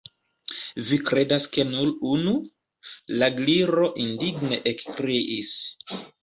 "Vi kredas ke nur unu?" la Gliro indigne ekkriis.